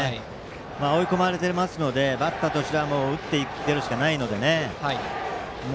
追い込まれていますのでバッターとしては打っていくしかないのでね。